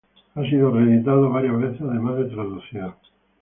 Ha sido reeditado varias veces, además de traducido.